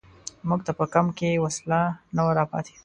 موږ ته په کمپ کې وسله نه وه را پاتې.